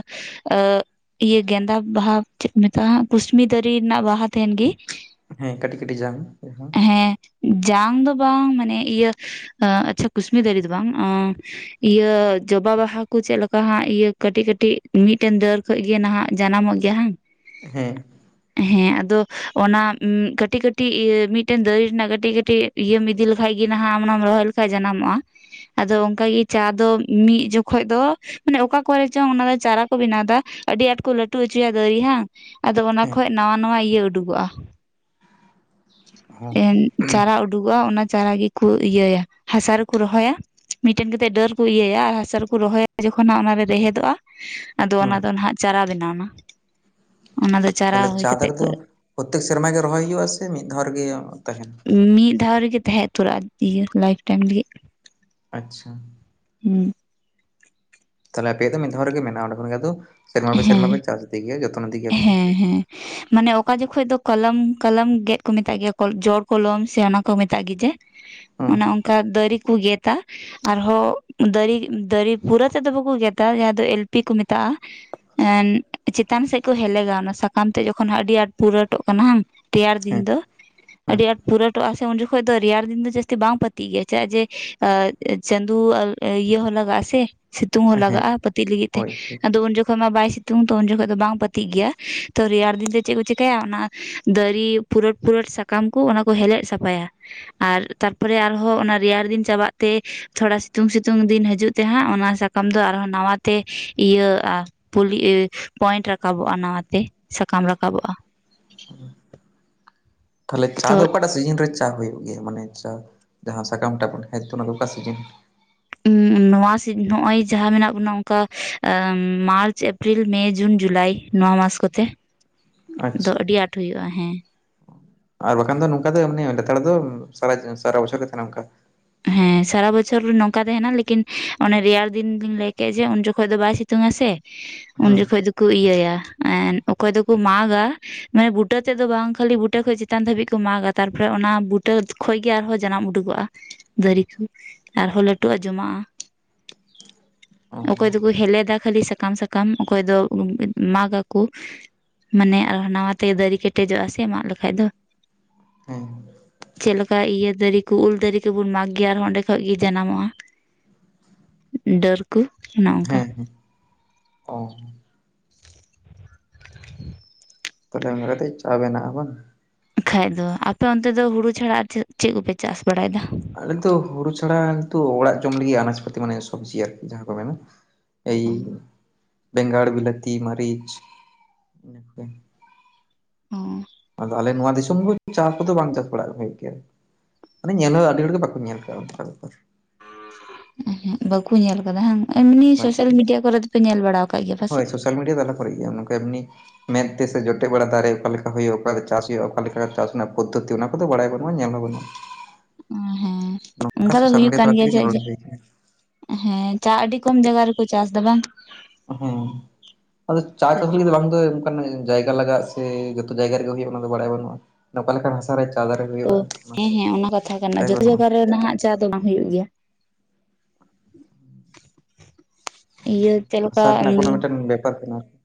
ᱟᱸᱜ ᱤᱭᱟᱹ ᱜᱮᱫᱟ ᱵᱟᱦᱟ ᱪᱮᱫ ᱠᱚ ᱢᱮᱛᱟᱜᱼᱟ, ᱳᱭᱟᱹ ᱠᱩᱥᱢᱤ ᱫᱟᱨᱮ ᱨᱮᱱᱟᱜ ᱵᱟᱦᱟ ᱛᱟᱦᱮᱱ ᱜᱮᱤ ᱦᱮᱸ ᱠᱟᱹᱴᱤᱡ ᱠᱟᱹᱴᱤᱡ ᱡᱟᱝ ᱦᱮᱸ ᱡᱟᱝ ᱫᱚ ᱵᱟᱝ, ᱢᱟᱱᱮᱹ ᱤᱭᱟᱹ ᱟᱪᱪᱷᱟ ᱠᱩᱥᱢᱤ ᱫᱟᱨᱮ ᱫᱚ ᱵᱟᱝ ᱤᱭᱟᱹ ᱡᱚᱵᱟ ᱵᱟᱦᱟ ᱠᱚ ᱪᱮᱫᱹᱞᱮᱠᱟ ᱦᱟᱸᱜ ᱤᱭᱟᱹ ᱠᱟᱹᱴᱤᱡ ᱠᱟᱹᱴᱤᱡ ᱢᱤᱫᱹᱴᱮᱱ ᱫᱟᱹᱨ ᱠᱷᱚᱡᱜᱮ ᱱᱟᱦᱟᱜ ᱡᱟᱱᱟᱢᱚᱹᱜ ᱜᱮᱹᱭᱟ ᱦᱟᱝ ᱦᱮᱸ᱾ ᱦᱮᱸ ᱟᱫᱚ, ᱚᱱᱟ ᱩᱸ ᱠᱟᱹᱴᱤᱡ ᱠᱟᱹᱴᱤᱡ ᱤᱭᱟᱹ ᱢᱤᱫᱹᱴᱮᱱ ᱫᱟᱨᱮ ᱨᱮᱱᱟᱜ ᱠᱟᱹᱴᱤᱡ ᱠᱟᱹᱴᱤᱡ ᱤᱭᱟᱹᱢ ᱤᱫᱤ ᱞᱮᱹᱠᱷᱟᱡ ᱜᱮ ᱱᱟᱦᱟᱜ ᱟᱢ ᱚᱱᱟᱢ ᱨᱚᱦᱚᱸᱭ ᱞᱮᱹᱠᱷᱟᱡ ᱡᱟᱱᱟᱢᱚᱜᱼᱟ᱾ ᱟᱸᱫᱚ ᱚᱱᱠᱟᱹᱜᱮ ᱪᱟ ᱫᱚ ᱢᱤᱫ ᱡᱚᱠᱷᱚᱡ ᱫᱚᱻ ᱢᱟᱱᱮᱹ ᱚᱠᱟ ᱠᱚᱨᱮ ᱪᱚᱝ ᱚᱱᱟ ᱫᱚ ᱪᱟᱨᱟ ᱠᱚ ᱵᱮᱱᱟᱣ ᱮᱫᱟ ᱟᱹᱰᱤ ᱟᱸᱴ ᱠᱚ ᱞᱟᱹᱴᱩ ᱦᱚᱪᱚᱭᱟ ᱫᱟᱨᱤ ᱵᱟᱝ᱾ ᱟᱸᱫᱚ ᱚᱱᱟ ᱦᱮᱸ ᱠᱷᱚᱡ ᱱᱟᱶᱟ ᱱᱟᱣᱟ ᱤᱭᱟᱹ ᱩᱰᱩᱠᱚᱜᱼᱟ᱾ ᱦᱚᱸ ᱮᱱ ᱪᱟᱨᱟ ᱩᱰᱩᱠᱚᱜᱼᱟ ᱚᱱᱟ ᱪᱟᱨᱟ ᱜᱮᱠᱚᱸ ᱤᱭᱟᱹᱭᱟ, ᱦᱟᱥᱟ ᱨᱮᱹᱠᱚ ᱨᱚᱦᱚᱭᱼᱟ᱾ ᱢᱤᱫᱹᱴᱮᱱ ᱠᱟ ᱠᱟᱛᱮᱫ ᱰᱟᱹᱨ ᱠᱚ ᱤᱭᱟᱹᱭᱟ ᱟᱨ ᱦᱟᱥᱟ ᱨᱮᱹᱠᱚ ᱨᱚᱦᱚᱭᱟ ᱡᱚᱠᱷᱚᱱ ᱦᱟᱜ ᱚᱱᱟᱨᱮ ᱨᱮᱦᱮᱫᱚᱜᱼᱟ, ᱟᱸᱫᱚ ᱚᱱᱟ ᱦᱩᱸ ᱫᱚ ᱱᱟᱦᱱᱟᱹᱜ ᱪᱟᱨᱟ ᱵᱮᱱᱟᱣᱱᱟ᱾ ᱚᱱᱟ ᱫᱚ ᱪᱟᱨᱟ ᱦᱩᱭ ᱠᱟᱛᱮ ᱠᱚ ᱯᱨᱚᱛᱮᱠ ᱥᱮᱨᱢᱟ ᱜᱮ ᱨᱚᱦᱚᱭ ᱦᱩᱭᱩᱜᱼᱟ ᱥᱮ ᱢᱤᱫ ᱫᱷᱟᱣ ᱜᱮ ᱛᱟᱦᱮᱱᱟ? ᱢᱤᱫ ᱫᱷᱟᱣ ᱨᱮᱹᱜᱮ ᱛᱟᱦᱮᱸ ᱩᱛᱟᱹᱨᱚᱜᱼᱟ᱾ ᱤᱭᱟᱹ ᱞᱟᱭᱤᱯᱷ ᱴᱟᱭᱤᱢ ᱞᱟᱜᱤᱫ᱾ ᱟᱪᱪᱷᱟ᱾ ᱦᱩᱸ᱾ ᱛᱟᱦᱞᱮ ᱟᱸᱯᱮᱭᱟᱜ ᱫᱚ ᱢᱤᱫᱷᱟ ᱨᱮᱜᱮ ᱢᱮᱱᱟᱜᱼᱟ ᱚᱸᱰᱮ ᱠᱷᱚᱱ ᱜᱮ ᱟᱫᱚ ᱥᱮᱨᱢᱟ ᱯᱮ ᱥᱮᱨᱢᱟ ᱦᱮᱸ ᱯᱮ ᱪᱟᱥ ᱤᱫᱤ ᱜᱮᱻᱭᱟ ᱡᱚᱛᱚᱱ ᱤᱫᱤ ᱜᱮᱭᱟᱯᱮ᱾ ᱢᱟᱱᱮᱹ ᱚᱠᱟ ᱡᱚᱠᱷᱚᱱ ᱫᱚ ᱠᱚᱞᱚᱢ, ᱠᱚᱞᱚᱢ ᱜᱮᱫ ᱠᱚ ᱢᱮᱛᱟᱜ ᱜᱮᱭᱟ ᱠᱚ ᱡᱚ ᱠᱚᱞᱚᱢ ᱥᱮ ᱚᱱᱟᱠᱚ ᱠᱚ ᱢᱮᱛᱟᱹᱜ ᱜᱮ ᱡᱮ ᱦᱩᱸ ᱚᱱᱮ ᱚᱱᱠᱟ ᱫᱟᱨᱤ ᱠᱚ ᱜᱮᱛ-ᱟ᱾ ᱟᱨᱦᱚᱸ ᱫᱟᱨᱮ, ᱫᱟᱨᱮ ᱯᱩᱨᱟᱹ ᱛᱮᱫᱚ ᱵᱟᱠᱚ ᱜᱮᱛᱟ ᱡᱟᱦᱟᱸ ᱫᱚ ᱮᱞ ᱯᱤ ᱠᱚ ᱢᱮᱛᱟᱜᱼᱟ᱾ ᱮᱸᱫᱽ ᱪᱮᱛᱟᱱ ᱥᱮᱫ ᱠᱚ ᱦᱮᱞᱮᱜᱟ ᱚᱱᱟ ᱥᱟᱠᱟᱢ ᱛᱮ ᱡᱚᱠᱷᱚᱱ ᱦᱟᱸᱜ ᱟᱹᱰᱤ ᱟᱸᱴ ᱯᱩᱨᱟᱹᱴᱚᱜ ᱠᱟᱱᱟ ᱦᱟᱝ ᱛᱮᱭᱟᱨ ᱫᱤᱱ ᱦᱮᱸ ᱫᱚ ᱦᱩᱸ ᱟᱹᱰᱤ ᱟᱸᱴ ᱯᱩᱨᱟᱹᱴᱚᱜᱼᱟ ᱩᱱ ᱡᱚᱠᱷᱚᱡ ᱫᱚ ᱨᱮᱭᱟᱲ ᱫᱤᱱ ᱫᱚ ᱡᱟᱹᱥᱛᱤ ᱵᱟᱝ ᱯᱟᱹᱛᱤ ᱜᱮᱭᱟ ᱪᱮᱫᱟᱜ, ᱪᱟᱜ ᱡᱮ ᱮ ᱪᱟᱸᱫᱩ ᱤᱭᱟᱹ ᱦᱚᱸ ᱞᱟᱜᱟᱜᱼᱟ ᱥᱮ᱾ ᱥᱤᱛᱩᱝ ᱦᱚᱸ ᱦᱮᱸ ᱞᱟᱜᱟᱜᱼᱟ ᱯᱟᱹᱛᱤᱜ ᱞᱟᱹᱜᱤᱫ ᱛᱮ ᱦᱳᱭ ᱴ᱾ᱟᱫᱚ ᱩᱱ ᱡᱚ ᱠᱷᱚᱡ ᱢᱟ ᱵᱟᱭ ᱥᱤᱛᱩᱝ ᱫᱚ, ᱩᱱ ᱡᱚᱠᱷᱚᱡ ᱫᱚ ᱵᱟᱝ ᱯᱟᱹᱛᱤᱜ ᱜᱮᱭᱟ, ᱛᱚ ᱨᱮᱭᱟᱲ ᱫᱤᱱ ᱫᱚ ᱪᱮᱫ ᱠᱚ ᱪᱮᱠᱟᱭᱟ ᱚᱱᱟ ᱫᱟᱨᱤ ᱯᱩᱨᱟᱹᱴ ᱯᱩᱨᱟᱹᱴ ᱥᱟᱠᱟᱢ ᱠᱚ ᱚᱱᱟᱠᱚ ᱦᱮᱞᱮᱜ ᱥᱟᱯᱷᱟᱭᱟ᱾ ᱟᱨ ᱛᱟᱨ ᱯᱚᱨᱮ ᱟᱨᱦᱚᱸ ᱚᱱᱟ ᱨᱮᱭᱟᱲ ᱫᱤᱱ ᱪᱟᱵᱟᱜ ᱛᱮ, ᱛᱷᱚᱲᱟ ᱥᱤᱛᱩᱝ ᱥᱤᱛᱩᱝ ᱫᱤᱱ ᱦᱤᱡᱩᱜ ᱛᱮ ᱦᱟᱸᱜ ᱚᱱᱟ ᱥᱟ ᱠᱟᱢᱫᱚ ᱟᱨᱦᱚᱸ ᱱᱟᱣᱟ ᱛᱮ ᱤᱭᱟᱹᱼᱟ᱾ ᱯᱩᱞᱤ ᱮ ᱯᱚᱭᱮᱱᱴ ᱨᱟᱠᱟᱵᱚᱜᱼᱟ ᱱᱟᱣᱟᱛᱮ᱾ ᱥᱟᱠᱟᱢ ᱨᱟᱠᱟᱵᱚᱜᱼᱟ᱾ ᱛᱟᱦᱞᱮ ᱪᱟ ᱛᱚ ᱫᱚ ᱚᱠᱟᱴᱟᱜ ᱥᱤᱡᱤᱱ ᱨᱮ ᱪᱟ ᱦᱩᱭᱩᱜ ᱜᱮᱭᱟ ᱢᱟᱱᱮ ᱪᱟ ᱡᱟᱦᱟᱸ ᱥᱟᱠᱟᱢ ᱴᱟ ᱵᱚᱱ ᱦᱮᱡ ᱫᱚ ᱚᱱᱟ ᱫᱚ ᱚᱠᱟ ᱥᱤᱡᱤᱱ? (inaudible) ᱱᱚᱣᱟ ᱥᱤ ᱱᱚᱜᱼᱚᱭ ᱡᱟᱦᱟᱸ ᱢᱮᱱᱟᱜ ᱵᱚᱱᱟ ᱚᱱᱠᱟ ᱢᱟᱨᱪ, ᱮᱯᱨᱤᱞ, ᱢᱮ, ᱡᱩᱱ, ᱡᱩᱞᱟᱭ᱾ ᱱᱚᱣᱟ ᱢᱟᱥ ᱠᱚᱛᱮ᱾ (inaudible) ᱫᱚ ᱟᱹᱰᱤ ᱟᱸᱴ ᱦᱩᱭᱩᱜᱼᱟ ᱦᱮᱸ᱾ ᱟᱨ ᱵᱟᱠᱷᱟᱱ ᱫᱚ ᱱᱚᱝᱠᱟ ᱫᱚ ᱢᱟᱱᱮ ᱞᱮᱛᱟᱲ ᱫᱚ ᱥᱟᱲᱮ ᱥᱟᱨᱟ ᱵᱚᱪᱷᱚᱨ ᱜᱮ ᱛᱟᱦᱮᱱᱟ ᱚᱝᱠᱟ᱾ ᱦᱮᱸ ᱥᱟᱨᱟ ᱵᱚᱪᱷᱚᱨ ᱱᱚᱝᱠᱟ ᱛᱟᱦᱮᱱᱟ ᱞᱮᱠᱤᱱ ᱚᱱᱮ ᱨᱮᱭᱟᱲ ᱫᱤᱱ ᱞᱤᱧ ᱞᱟᱹᱭ ᱠᱮᱫ ᱡᱮ ᱩᱱ ᱡᱚᱠᱷᱚᱡ ᱫᱚ ᱵᱟᱭ ᱥᱤᱛᱩᱝ ᱟ ᱥᱮ᱾ ᱩᱱ ᱦᱩᱸ ᱡᱚᱠᱷᱚᱡ ᱫᱚᱠᱚ ᱤᱭᱟᱹᱭᱟ, ᱮᱸᱫᱽ ᱚᱠᱚᱭ ᱫᱚᱠᱚ ᱢᱟᱜ-ᱟ᱾ ᱢᱟᱱᱮ ᱵᱩᱴᱟᱹ ᱛᱮᱫ ᱫᱚ ᱵᱟᱝ ᱠᱷᱟᱹᱞᱤ ᱵᱩᱴᱟᱹ ᱠᱷᱚᱡ ᱪᱮᱛᱟᱱ ᱫᱷᱟᱹᱵᱤᱡ ᱠᱚ ᱢᱟᱜᱟ, ᱛᱟᱨᱯᱚᱨᱮ ᱚᱱᱟ ᱵᱩᱴᱟᱹ ᱠᱷᱚᱡ ᱜᱮ ᱟᱨᱦᱚᱸ ᱡᱟᱱᱟᱢ ᱩᱰᱩᱠᱚᱜᱼᱟ, ᱫᱟᱨᱤ ᱠᱚ ᱟᱨᱦᱚᱸ ᱞᱟᱹᱴᱩᱜ-ᱟ ᱡᱚᱢᱟᱜᱼᱟ᱾ ᱚ ᱚᱠᱚᱭ ᱫᱚᱠᱚ ᱦᱮᱞᱮᱫᱟ ᱠᱷᱟᱹᱞᱤ ᱥᱟᱠᱟᱢ ᱥᱟᱠᱟᱢ ᱚᱠᱚᱭ ᱫᱚ ᱢᱟᱜᱽ ᱜᱟᱠᱚ᱾ ᱢᱟᱱᱮ ᱟᱨ ᱱᱟᱣᱟ ᱛᱮ ᱫᱟᱨᱤ ᱠᱮᱴᱮᱡᱚᱜᱼᱟ ᱥᱮ ᱢᱟᱜ ᱞᱮᱠᱷᱟᱡ ᱫᱚ᱾ ᱦᱮᱸ ᱪᱮᱫ ᱞᱮᱠᱟ ᱤᱭᱟᱹ ᱫᱟᱨᱮ ᱠᱚ ᱩᱞ ᱫᱟᱨᱮ ᱠᱚᱵᱩᱱ ᱢᱟᱜᱽ ᱜᱮ ᱟᱨᱦᱚᱸ ᱚᱸᱰᱮ ᱠᱷᱚᱡ ᱜᱮ ᱡᱟᱱᱟᱢᱚᱜᱼᱟ, ᱰᱟᱹᱨ ᱠᱚ ᱚᱱᱮ ᱚᱱᱠᱟ᱾ ᱦᱮᱸ ᱦᱮᱸ ᱚ (inaudible) ᱛᱟᱦᱞᱮ ᱚᱱᱠᱟ ᱠᱟᱛᱮᱜ ᱪᱟ ᱵᱮᱱᱟᱜᱼᱟ ᱵᱟᱝ? ᱠᱷᱟᱡ ᱫᱚ᱾ ᱟᱯᱮ ᱚᱱᱛᱮ ᱫᱚ ᱦᱩᱲᱩ ᱪᱷᱟᱲᱟ ᱟᱨ ᱪᱮᱫ, ᱪᱮᱫ ᱠᱚᱯᱮ ᱪᱟᱥ ᱵᱟᱲᱟᱭ ᱫᱟ? ᱟᱞᱮ ᱫᱚ ᱦᱩᱲᱩ ᱪᱷᱟᱲᱟ ᱱᱤᱛᱚᱜ ᱚᱲᱟᱜ ᱡᱚᱢ ᱞᱟᱹᱜᱤᱫ ᱟᱱᱟᱪ-ᱯᱟᱛᱤ ᱢᱟᱱᱮ ᱥᱚᱵᱽᱡᱤ ᱟᱨᱠᱤ ᱡᱟᱦᱟᱸ ᱠᱚ ᱢᱮᱱᱟ᱾ ᱮᱭᱤ ᱚ ᱵᱮᱸᱜᱟᱲ, ᱵᱤᱞᱟᱹᱛᱤ, ᱢᱟᱹᱨᱤᱪ, ᱩᱱᱟᱹ ᱠᱚᱜᱮ ᱾ ᱦᱚᱸ᱾ ᱟᱫᱚ ᱟᱞᱮ ᱱᱚᱣᱟ ᱫᱤᱥᱚᱢ ᱫᱚ ᱪᱟ ᱠᱚᱫᱚ ᱵᱟᱝ ᱪᱟᱥ ᱵᱟᱲᱟᱜ ᱦᱩᱭᱩᱜ ᱜᱮᱭᱟ᱾ ᱢᱟᱱᱮ ᱧᱮᱞ ᱦᱚᱸ ᱟᱹᱰᱤ ᱦᱚᱲ ᱜᱮ ᱵᱟᱠᱚ ᱧᱮᱞ ᱠᱟᱜᱼᱟ ᱚᱱᱠᱟ ᱵᱮᱯᱟᱨ ᱾ ᱩᱦᱩᱸᱜ ᱵᱟᱠᱚ ᱧᱮᱞ ᱠᱟᱫᱟ ᱦᱟᱝ, ᱮᱢᱱᱤ ᱥᱳᱥᱟᱞ ᱢᱤᱰᱤᱭᱟ ᱠᱚᱨᱮ ᱯᱮ ᱧᱮᱞ ᱵᱟᱲᱟᱣ ᱠᱟᱜ ᱜᱮᱭᱟ ᱦᱳᱭ ᱯᱟᱥᱮᱫ? ᱥᱳᱥᱟᱞ ᱢᱤᱰᱤᱭᱟ ᱛᱟᱞᱟ ᱠᱚᱨᱮᱜ ᱜᱮ, ᱱᱚᱝᱠᱟ ᱮᱢᱱᱤ ᱢᱮᱫᱛᱮ ᱥᱮ ᱡᱚᱴᱮᱜ ᱵᱟᱲᱟ ᱫᱟᱨᱮ᱾ ᱚᱠᱟ ᱞᱮᱠᱟ ᱦᱩᱭᱩᱜᱼᱟ, ᱚᱠᱟᱨᱮ ᱪᱟᱥ ᱦᱩᱭᱩᱜᱼᱟ, ᱚᱠᱟᱞᱮᱠᱟ ᱪᱟᱥ ᱨᱮᱱᱟᱜ ᱯᱚᱫᱫᱷᱚᱛᱤ ᱚᱱᱟ ᱠᱚᱫᱚ ᱵᱟᱲᱟᱭ ᱵᱟᱱᱩᱜᱼᱟ ᱧᱮᱞ ᱦᱚᱸ ᱵᱟᱱᱩᱜᱼᱟ ᱦᱮᱸ ᱾ ᱱᱚᱝᱠᱟ ᱚᱱᱠᱟ ᱫᱚ ᱥᱳᱥᱟᱞ ᱦᱩᱭᱩᱜ ᱢᱤᱰᱤᱭᱟ ᱠᱟᱱ ᱛᱟᱞᱟ ᱜᱮᱭᱟ ᱛᱮᱜᱮ ᱧᱮᱞ ᱪᱮᱫᱟᱜ ᱡᱮ ᱦᱩᱭ ᱠᱟᱱᱟ᱾ ᱦᱮᱸ ᱪᱟ ᱟᱹᱰᱤ ᱠᱚᱢ ᱡᱟᱭᱜᱟ ᱨᱮᱠᱚ ᱪᱟᱥ ᱫᱟ ᱵᱟᱝ? ᱦᱮᱸ ᱟᱫᱚ ᱪᱟ ᱪᱟᱥ ᱞᱟᱹᱜᱤᱫ ᱵᱟᱝ ᱫᱚ ᱡᱟᱭᱜᱟ ᱞᱟᱜᱟᱜ ᱥᱮ ᱡᱚᱛᱚ ᱡᱟᱭᱜᱟ ᱨᱮᱜᱮ ᱦᱳᱭᱳᱜᱼᱟ ᱚᱱᱟ ᱫᱚ ᱵᱟᱲᱟᱭ ᱵᱟᱱᱩᱜᱼᱟ, ᱚᱠᱟ ᱞᱮᱠᱟᱱ ᱦᱟᱥᱟ ᱨᱮ ᱪᱟ ᱫᱟᱨᱮ ᱦᱩᱭᱩᱜᱼᱟ ᱚᱱᱟ ᱦᱮᱸ ᱠᱚ ᱦᱮᱸ ᱚᱱᱟ ᱠᱟᱛᱷᱟ ᱠᱟᱱᱟ ᱵᱟᱰᱟᱭ ᱡᱚᱛᱚ ᱵᱟᱹᱱᱩᱜᱼᱟ᱾ ᱡᱟᱭᱜᱟ ᱨᱮ ᱱᱟᱦᱟᱜ ᱪᱟ ᱫᱚ ᱵᱟᱝ ᱦᱩᱭᱩᱜ ᱜᱮᱭᱟ᱾ ᱤᱭᱟᱹ ᱪᱮᱫ ᱞᱮᱠᱟ ᱦᱟᱥᱟ ᱨᱮᱱᱟᱜ ᱠᱳᱱᱳ ᱢᱤᱫᱴᱮᱱ ᱵᱮᱯᱟᱨ ᱢᱮᱱᱟᱜ-ᱟ ᱾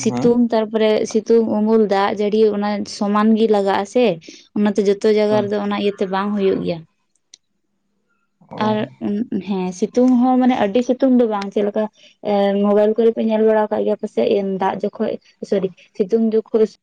ᱥᱤᱛᱩᱝ ᱛᱟᱨᱯᱚᱨᱮ ᱥᱤᱛᱩᱝ, ᱩᱢᱩᱞ, ᱫᱟᱜ ᱡᱟᱲᱤ, ᱚᱱᱟ ᱥᱚᱢᱟᱱ ᱜᱮ ᱞᱟᱜᱟᱜ ᱟᱥᱮ᱾ ᱚᱱᱟᱛᱮ ᱡᱚᱛᱚ ᱡᱟᱭᱜᱟ ᱦᱩᱸ ᱨᱮᱫᱚ ᱚᱱᱟ ᱤᱭᱟᱹᱛᱮ ᱵᱟᱝ ᱦᱩᱭᱩᱜ ᱜᱮᱭᱟ᱾ ᱟᱨ ᱚ ᱦᱮᱸ ᱥᱤᱛᱩᱝ ᱦᱚᱸ ᱢᱟᱱᱮ ᱟᱹᱰᱤ ᱥᱤᱛᱩᱝ ᱫᱚ ᱵᱟᱝ ᱪᱮᱜ ᱞᱮᱠᱟ ᱮ ᱢᱳᱵᱟᱭᱤᱞ ᱠᱚᱨᱮᱯᱮ ᱧᱮᱞ ᱵᱟᱲᱟ ᱠᱟᱜ ᱜᱮᱭᱟ ᱯᱟᱥᱮᱡ ᱫᱟᱜ ᱡᱚᱠᱷᱚᱡ ᱥᱚᱨᱤ ᱥᱤᱛᱩᱝ ᱡᱚᱠᱷᱚᱡ